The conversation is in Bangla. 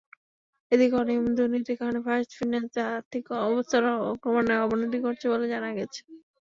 এদিকে, অনিয়ম-দুর্নীতির কারণে ফার্স্ট ফিন্যান্সে আর্থিক অবস্থা ক্রমান্বয়ে অবনতি ঘটছে বলে জানা গেছে।